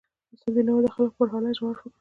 استاد بینوا د خلکو پر حالت ژور فکر کاوه.